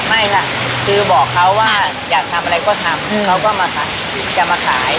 ไม่ล่ะคือบอกเขาว่าอยากทำอะไรก็ทำเขาก็มาจะมาขาย